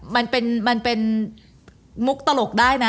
มันเป็นมุกตลกได้นะ